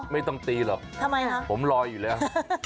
ไม่ต้องตีหรอกผมลอยอยู่แล้ว